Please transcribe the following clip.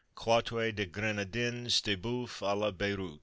Quatre de Grenadins de Bœuf à la Beyrout.